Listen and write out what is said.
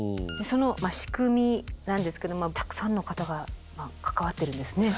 その仕組みなんですけどたくさんの方が関わってるんですね。